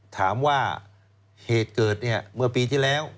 ถามว่าเหตุเกิดเนี่ยเมื่อปีที่แล้ว